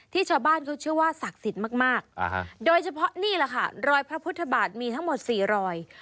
ชาวบ้านเขาเชื่อว่าศักดิ์สิทธิ์มากโดยเฉพาะนี่แหละค่ะรอยพระพุทธบาทมีทั้งหมด๔รอย